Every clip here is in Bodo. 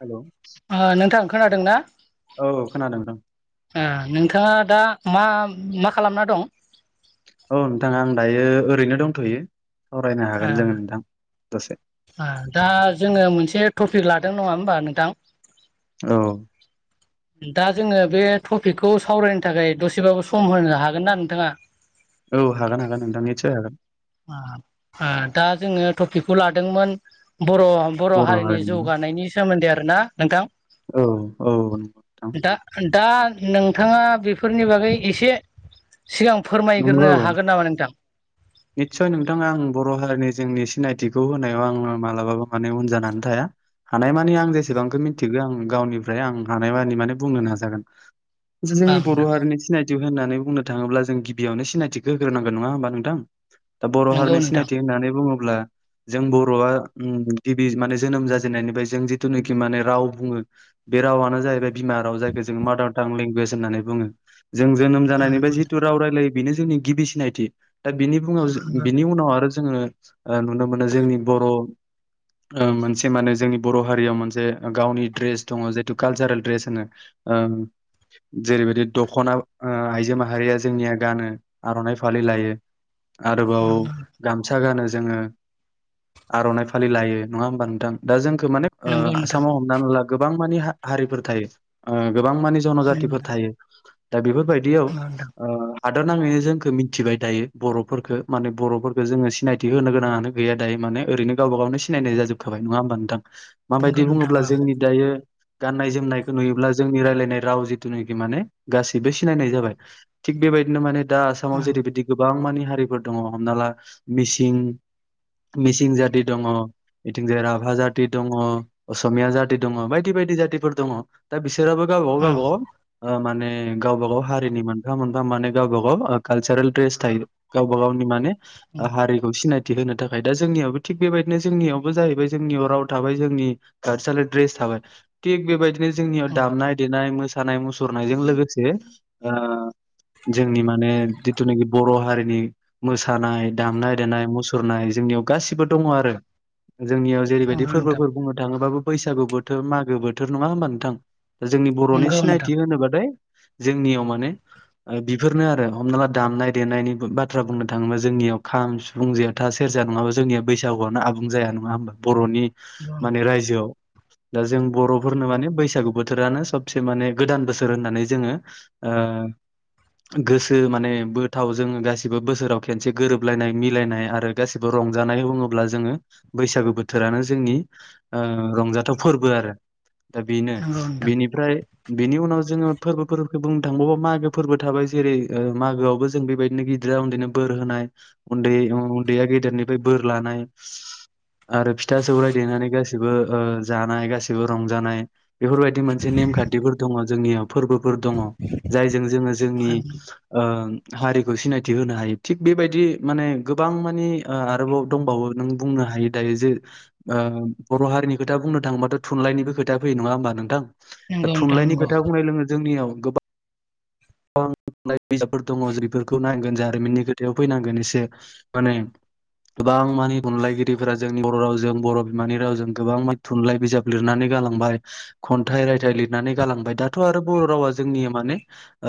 हेल' ओ नोंथां खोनादोंना औ खोनादों नोंथां आ [unintelligible] नोंथाङा दा मा मा खालामना दं? औ नोंथाङा आं दायो ओरैनो दंथ'यो सावरायनो ओ हागोन जों नोंथां दसे ओ दा जोङो मोनसे टफिक लादों नङा होमबा नोंथां? औ दा जोङो बे थफिकखौ सावरायनो थाखाय दसेबाबो सम होनो हागोन ना नोंथाङा? औ हागोन हागोन नोंथां नितसय हागोन। ओ ओ दा जोङो थफिकखौ लादोंमोन बर' बर' हारिनि जौगानायनि सोमोन्दै आ [unintelligible] आरो ना नोंथां। औ औ नोंथां। दा दा नोंथाङा बेफोरनि बागै एसे सिगां फोरमायग्रोनो हागोन नामा नोंथां। नित्सय नोंथाङा आं बर' हारिनि जोंनि सिनायथिखौ होनायाव आङो मालाबाबो माने उन जानानै थाया। हानायमानि आं जेसेबांखो मिनथिगो आं गावनिफ्राय आं हानायमानि माने बुंनो नाजागोन। जो ओं जोंनि बर' हारिनि सिनायथि [unintelligible] होननानै बुंनो थाङोब्ला जों गिबियावनो सिनायथिखो होग्रोनांगोन नङा होमबा नोंथां? दा बर' नोंगौ हारिनि नोंथां सिनायथि होननानै बुङोब्ला जों बर'आ गिबि माने जोनोम जाजेननायनिफ्राय जों जिथुनाखि माने राव बुङो बे बे रावानो जाहैबाय बिमा राव जायखौ जोङो मादार टां लेंगुवेज होननानै बुङो। जों जोनोम जानायनि फ्राय जिथु राव रायलायो बेनो जोंनि गिबि सिनायथि दा बुङो बिनि उनाव आरो जोङो ओ नुनो मोनो जोंनि बर' ओ मोनसे माने जोंनि बर' हारियाव मोनसे गावनि ड्रेस दङ जिथु कालसारेल द्रेस होनो ओम जेरैबायदि दख'ना ओ आइजो माहारिया जोंनिया गानो आर'नाइ फालि लायो। आरोबाव गामसा गानो जोङो आर'नाइ फालि लायो नङा होमबा नोंथां दा जों खो माने ओ नोंगौ आसामाव हमनानै ला गोबां माने हा हारिफोर थायो। गोबां मानि जन'जाथिफोर नोंथां। थायो दा बेफोर बायदियाव ओ हादर नाङैनो जोंखो मिनथिबाय दायो। बर'फोरखो माने बर'फोरखो जोङो सिनायथि होनो गोनांङानो गैया दायो माने ओरैनो गावबा गावनो सिनायनाय जाजोबखाबाय । नङा हबा नोंथां माबायदि नंगौ नोंथां बुङोब्ला औ जोंनि दायो गाननाय जोमनायखौ नुयोब्ला जोंनि रायलायनाय राव जिथुनाखि माने गासैबो सिनायनाय जाबाय थिख बे बेबायदिनो माने दा आसामाव जेरैबायदि गोबां माने हारिफोर दङ हमना ला मिसिं मिसिं जाति दङ बिथिंजाय राभा जाति दङ असमिया जाति दङ बायदि बायदि बायदि जातिफोर दङ दा बिसोराबो गाव औ गावबाव ओ माने गावबा गाव हारिनि मोनफा मोनफा माने गावबा गाव कालसारेल ड्रेस थायो गावबा गावनि माने ओ हारिखौ सिनाय थि होनो थाखाय दा जोंनियावबो थिग बेबायदिनो जोंनियावबो जाहैबाय जोंनियाव राव थाबाय जोंनि कालसालेर ड्रेस थाब थाबाय थिग बेबायदिनो जोंनियाव दामनाय देनाय मोसा मोसानाय मुसुरनायजों लोगोसे ओ जोंनि माने जिथुनिखि बर' हारिनि मोसानाय दामनाय देनाय मुसुरनाय जोंनियाव गासिबो दङ आरो। जोंनियाव जेरैबायदि नंगौ नोंथां फोरबोफोर बुंनो थाङोबाबो बैसागु बोथोर मागो बोथोर नङा होमबा नोंथां? दा जोंनि बर'नि नंगौ नोंथां सिनायथि होनोबाथाय जोंनियाव माने ओ बेफोरनो आरो हमना ला दामनाय देनायनि बाथ्रा बुंनो थाङोब्ला जोंनियाव खाम सिफुं जेथा सेरजा नङाबा जोंनिया बैसागुआनो आबुं जाया। नङा होमबा बर'नि माने रायजोआव। दा जों बर'फोरनो माने बैसागु बोथोरानो सबसे माने गोदान बोसोर होननानै जोङो ओ गोसो माने बो थाव जोङो गासिबो बोसोराव खेनसे गोरोबलायनाय मिलायनाय आरो गासिबो रंजानाय बुङोब्ला जोङो बैसागु बोथोरानो जोंनि ओ रंजाथाव फोरबो आरो। दा बेनो नंगौ नोंथां बेनिफ्राय बेनि उनाव जोङो फोरबोफोरखौ बुंनो थांबावोबा मागो फोरबो थाबाय जेरै ओ मागोआवबो जों बेबायदिनो गिदिरा उन्दैनो बोर होनाय उन्दै उन्दैया गेदेरनिफ्राय बोर लानाय। आरो फिथा सौराइ देनानै गासिबो ओ जानाय गासिबो रंजानाय। बेफोरबायदि मोनसे नेमखान्थिफोर दङ जोंनियाव फोरबोफोर दङ जायजों जोङो जोंनि ओं हारिखौ सिनायथि होनो हायो थिग बेबायदि माने गोबां माने ओ आरोबाव दंबावो नों बुंनो हायो दायो जे ओ बर' हारिनि खोथा बुंनो थाङोबाथ' थुनलाइनिबो खोथा फैयो नङा होमबा नोंथां? दा नंगौ नोंथां थुनलाइनि नंगौ खोथा बुंनाय लोङो जोंनियाव गोबां बां बिजाबफोर दङ जिफोरखौ नायनांगोन जारिमिननि खोथायाव फैनांगोन एसे माने गोबां माने थुनलाइगिरिफोरा जोंनि बर' रावजों बर' बिमानि रावजों गोबां माने थुनलाइ बिजाब लिरनानै गालांबाय खन्थाइ रायथाइ लिरनानै गालांबाय दाथ' आरो बर' रावा जोंनि माने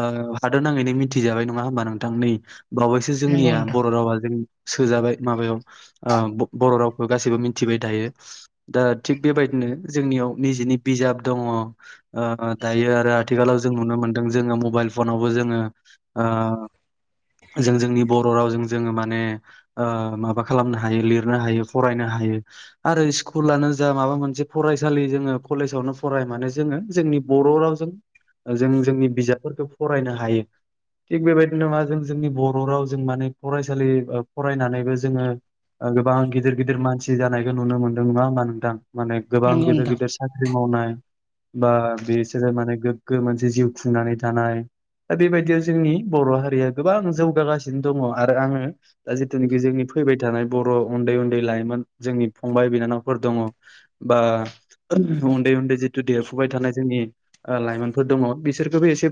ओ हादोद नाङैनो मिथिजाबाय नङा होमबा नोंथां नै बावैसो नंगौ जोंनिया नोंथां बर' रावा जोंनि सोजाबाय माबायाव ओ ब बर' रावखौ गासैबो मिनथिबाय थायो दा थिग बेबायदिनो नो जोंनियाव निजेनि बिजाब दङ ओ दायो आरो आथिखालाव जों नुनो मोनदों जोङो मबाइल फनावबो जोङो ओ जों जोंनि बर' रावजों जोङो माने ओ माबा खालामनो हायो लिरनो हायो फरायनो हायो आरो स्कुलानो जा माबा मोनसे फरायसालि जोङो कलेजावनो फराय माने जोङो जोंनि बर' बर' रावजों जों जोंनि बिजाबफोरखौ फरायनो हायो। थिग बेबायदि नङा जों जोंनि बर' रावजों माने फरायसालि ओ फरायनानैबो जोङो गोबां गिदिर गिदिर मानसि जानायखौ नुनो मोनदों नङा होमबा नोंथां। माने गोबां नंगौ गिदिर नोंथां गिदिर साख्रि मावनाय बा बिसोरो माने गोग्गो मोनसे जिउ खुंनानै थानाय दा बेबायदियाव जोंनि बर' हारिया गोबां जौगागासिनो दङ आरो आङो दा जिथुनाखि जोंनि फैबाय थानाय बर' उन्दै उन्दै लाइमोन जोंनि फंबाय बिनानावफोर दङ बा उन्दै उन्दै जिथु देरफुबाय थानाय जोंनि ओ लाइमोनफोर दङ बिसोरखौबो इसे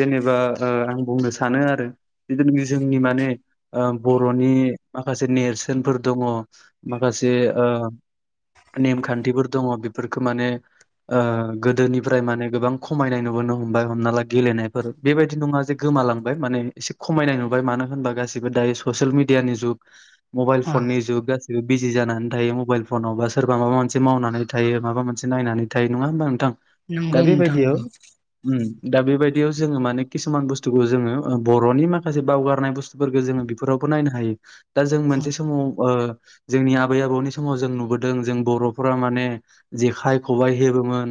जेनेबा ओ आं बुंनो सानो आरो [unintelligible] जोंनि माने ओ बर'नि माखासे नेरस सोनफोर दङ माखासे ओ नेमखान्थिफोर दङ बेफोरखौ माने ओ गोदोनिफ्राय माने गोबां खमायनाय नुबोनो हमबाय हमना ला गेलेनायफोर बेबायदि दि नङा जे गोमालांबाय माने इसे खमायनाय नुबाय मानो होनबा गासिबो दायो ससेयेल मिडियानि जुग मबाइल औ फ'न नि जुग बे बिजि जानानै थायो मबाइल फनावबा सोरबा माबा मोनसे मावनानै थायो माबा मोनसे नायनानै थायो नङा होमबा नोंथां दा नंगौ नोंथां बेबायदियाव नंगौ उम दा बेबायदियाव जोङो माने किसुमान बुस्थुखौ जोङो ओ बर'नि माखासे बावगारनाय बुस्थुफोरखौ जोङो बेफोरावबो नायनो हायो दा जों मोनसे समाव ओ जोंनि आबै आबौनि समाव जों नुबोदों जों बर'फोरा माने जेखाइ खबाइ हेबोमोन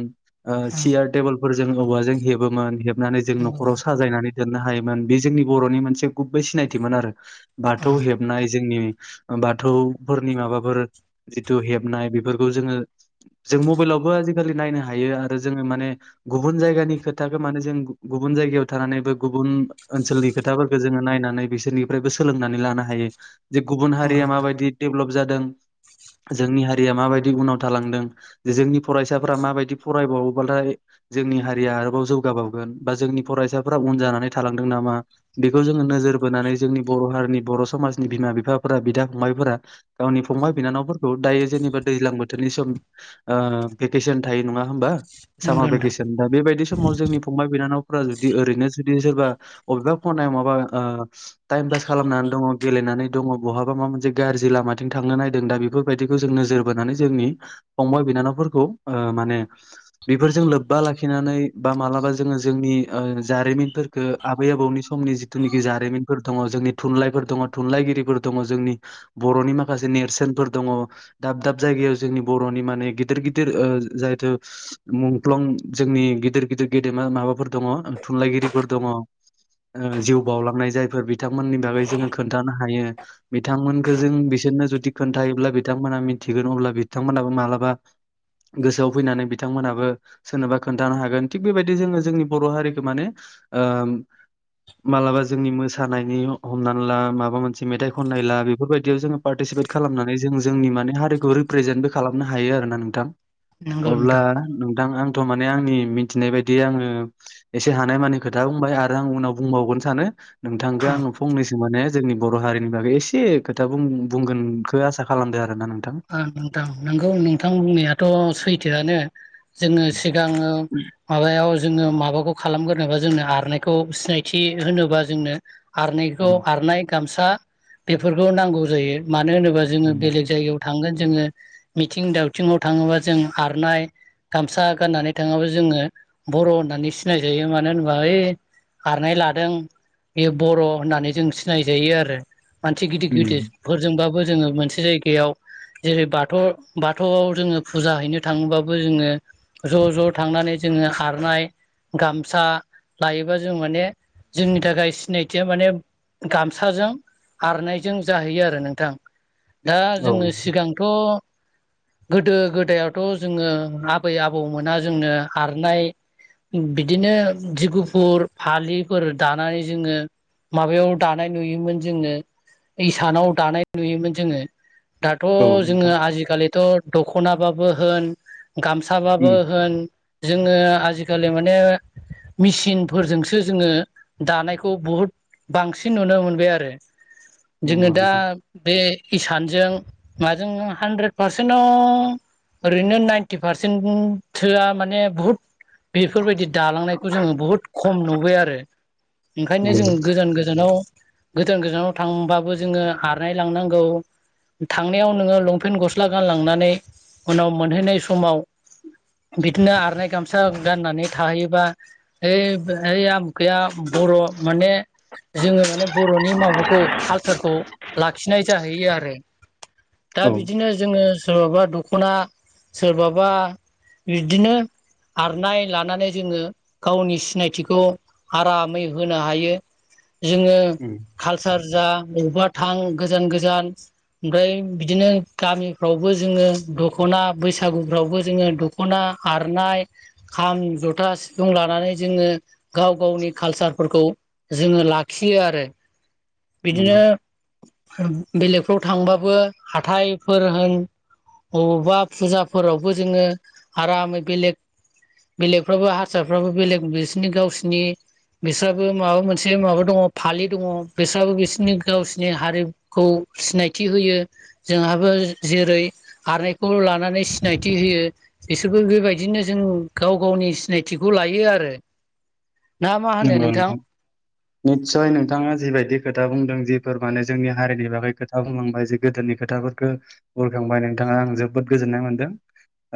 ओ औ सियार टेबोलफोर जों औवाजों हेबोमोन हेबनानै जोङो नंगौ नोंथां गायनानै दोननो हायोमोन बे जोंनि बर'नि मोनसे गुबै सिनायथिमोन आरो बाथौ औ हेबनाय जोंनि बाथौफोरनि माबाफोर जिथु हेबनाय बेफोरखौ जोङो जों मबेलावबो आजिखालि नायनो हायो आरो जोङो माने गुबुन जायगानि खोथाखौ माने जों गु गुबुन जायगायाव थानानैबो गुबुन ओनसोलनि खोथाफोरखौ जोङो नायनानै बिसोरनिफ्रायबो सोलोंनानै लानो हायो। जे गुबुन नंगौ हारिया नोंथां माबायदि डेभलप जादों जोंनि हारिया माबायदि उनाव थालांदों जोंनि फरायसाफोरा माबायदि फरायबावोबालाय जोंनि हारिया आरोबाव जौगाबावगोन। बा जोंनि फरायसाफ्रा उन जानानै थालांदों नामा बेखौ जोङो नोजोर बोनानै जोंनि बर' हारिनि बर' स समाजनि बिमा बिफाफोरा बिदा फंबायफोरा गावनि फंबाय बिनानावफोरखौ दायो जेनेबा दैज्लां बोथोरनि सम ओ भकेसन थायो नङा होमबा सामार नंगौ नोंथां भेकेसन दा बेबायदि समाव जोंनि फंबाय बिनानावफोरा जुदि ओरैनो जुदि सोरबा अबेबा खनायाव माबा ओ टाइम पास खालामनानै दङ गेलेनानै दङ बहाबा माबा मोनसे गाज्रि लामाथिं थांनो नायदों दा बेफोरबायदिखौ जों नोजोर बोनानै जोंनि फंबाय बिनानावफोरखौ ओ माने बेफोरजों लोब्बा लाखिनानै बा मालाबा जोङो जोंनि ओ जारिमिनफोरखो आबै आबौनि समनि जिथुनाखि जारिमिनफोर दङ जोंनि थुनलाइफोर दङ थुनलाइगिरिफोर दङ जोंनि बर'नि माखासे नेरसोनफोर दङ दाब दाब जायगायाव जोंनि बरनि मने गेदेर गिदिर जायथु मुंख्लं जोंनि गदिर गदिर ग देमा माबाफोर दङ थुनलाइगिरिफोर दङ। ओ जिउ बावउलांनाय जायफोर बिथांमोननि बागै जोङो खोन्थानो हायो बिथांमोनखौ जों बि सोरनो जुदि खोन्थायोब्ला बिथांमोनहा मिथिगोन अब्ला बिथांमोनहाबो मालाबा गोसोआव फैनानै बिथांमोनहाबो सोरनोबा खोन्थानो हागोन थिग। बेबायदि जोङो जोंनि बर' हारिखौ माने ओ मालाबा जोंनि मोसानायनि हमनानै ला माबा मोनसे मेथाइ खननाय ला बेफोरबायदियाव जोङो पार्टिसि [unintelligible] खालामनानै जों जोंनि माने हारिखौ रिप्रेजेन्टबो खालामनो हायो आरोना नोंथां नंगौ नोंथां अब्ला नोंथां आंथ' माने आंनि मि थिनाय बायदि आङो एसे हानायमानि खोथा बुंबाय आरो आं उनाव बुंबावगोन सानो नोंथांखौ आं। फंनैसो माने जोंनि बर' हारिनि बागै एसे खोथा बुं बुंगोनखो आसा खालामदो आरोना नों ओ नोंथां नंगौ नोंथां बुंनायाथ' सैथोआनो। जोङो सिगाङो माबायाव जोङो माबाखौ खालामगोरनोबा जोंनो आरनायखौ सिनायथि होनोबा जोंनो। आरनायखौ आरनाय गामसा बेफोरखौ नांगौ जायो मानो होनोबा जोङो बेलेग जायगायाव। थांगोन जोङो मिथिं दावथिंआव थाङोबा जों आरनाय। गामसा गाननानै थाङाबा जोङो बर' होननानै सिनायजायो मानो होनोबा ओइ आरनाय लादों बे बर' होननानै जों सिनायजायो आरो। मानसि गिदिर उम गिदिरफोरजोंबाबो जोङो मोनसे जायगायाव जेरै बाथौ बाथौआव जोङो फुजा हैनो थाङोबाबो जोङो ज' ज' थांनानै जोङो आरनाय गामसा लायोबा जों माने जोंनि थाखाय सिनायथिया माने गामसाजों आरनायजों जाहैयो आरो नोंथां। औ थ गोदो गोदायावथ' जोङो आबै आबौमोना जोंनो आरनाय बिदिनो जि गुफुर फालिफोर दानानै जोङो माबायाव दानाय नुयोमोन जोङो इसानाव दानाय नुयोमोन जोङो। दाथ' औ जोङो नोंथां आजिखालिथ' दखनाबाबो होन गामसाबाबो उम होन जोङो आजिखालि माने मेसिनफोरजोंसो जोङो दानायखौ बुहुद बांसिन नुनो मोनबाय आरो। जोङो नंगौ दा नोंथां बे इसानजों माजों हानद्रेद पारसेन्टआव ओरैनो नाइनटि पारसेन्ट थोआ माने बहुत बेफोरबायदि दालांनायखौ जोङो बुहुद खम नुबाय आरो। ओंखायनो जों नंगौ गोजान गोजानाव गोजान गोजानाव थांबाबो जोङो आरनाय लांनांगौ। थांनायाव नोङो लंपेन्ट गस्ला गानलांनानै उनाव मोनहैनाय समाव बिदिनो आरनाइ गामसा गाननानै थाहैयोबा ओइ बो ओइ आमुखाया बर' माने जोङो माने बर'नि माबाखौ कालसारखौ लाखिनाय जाहैयो। थों आरो दा औ बिदिनो जों। ओ सोरबाबा दख'ना सोरबाबा बिदिनो आरनाय लानानै जोङो गावनि सिनायथिखौ आरामै होनो हायो। जोङो उम कालसार जा बबेबा थां गोजान गोजान ओमफ्राय बिदिनो गामिफ्रावबो जोङो दख'ना बैसागुफ्रावबो जोङो दख'ना आरनाय खाम जथा सिफुं लानानै जोङो गाव गावनि कालसारफोरखौ जोङो लाखियो आरो। नंगौ बिदिनो बेलेगफ्राव थांबाबो हाथायफोर होन अबावबा फुजाफोरावबो जोङो आरामै बेलेग बेलेगफ्राबो हारसाफ्राबो बेलेग बिसिनि गावसिनि बिस्राबो माबा मोनसे माबा दङ फालि दङ बिस्राबो बिसोरनि गावसिनि हारिखौ सिनाय थि होयो जोंहाबो जेरै आरनायखौ लानानै सिनायथि होयो बिसोरबो बेबायदिनो जों गाव गावनि सिनायथिखौ लायो आरो ना मा होनो नोंगौ नोंथां निसय नोंथाङा जिबायदि खोथा बुंदों जे फोर माने जोंनि हारिनि बागै खोथा बुंलांबाय जे गोदोनि खोथाफोरखो बुरखांबाय नोंथाङा आं जोबोद गोजोन- [unintelligible] मोनदों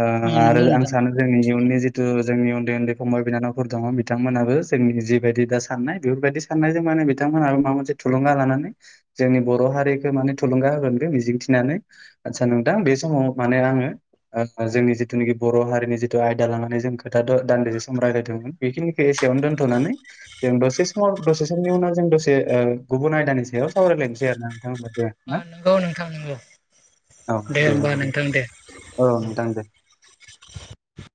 ओ नंगौ आरो आं नोंथां सानो जोंनि इयुननि जिथु जोंनि उन्दै उन्दै फंबाय बिनानावफोर दङ बिथांमोनहाबो जोंनि जिबायदि दा साननाय बेफोरबायदि साननायजों माने बिथांमोनाबो माबा मोनसे थुलुंगा लानानै जोंनि बर' हारिखौ माने थुलुंगा होगोनदो मिजिंथिनानै आदसा नोंथां बे समाव माने आङो [unintelligible] जोंनि जिथुनिखि बर' हारिनि जिथु आयदा लानानै जों खोथा' दान्दिसे सम रायलायदोंमोन बेखिनिखो एसेयावनो दो दोन्थ'नानै जों दसे समाव दसे समनि उनाव जों दसे ओ गुबुन आयदानि सायाव सावरायलायनोसै आरो ना होमबा दे ना [unintelligible] नोंगौ नोंथां नोंगौ दे होमबा नोंथां दे औ नोंथां दे